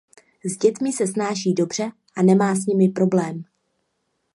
S dětmi se snáší dobře a nemá s nimi problém.